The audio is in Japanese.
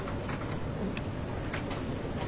うん。